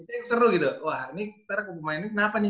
itu yang seru gitu wah ini kita pemainnya kenapa nih